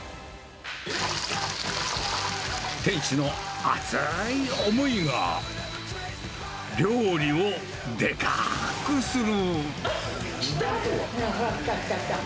店主の熱い思いが、料理をデカくする。